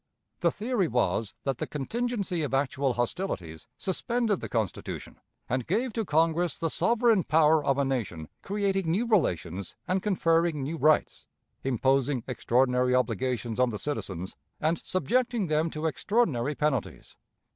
The theory was that the contingency of actual hostilities suspended the Constitution and gave to Congress the sovereign power of a nation creating new relations and conferring new rights, imposing extraordinary obligations on the citizens, and subjecting them to extraordinary penalties.